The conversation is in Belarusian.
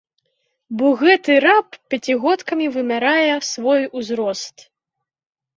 Бо гэты раб пяцігодкамі вымярае свой узрост.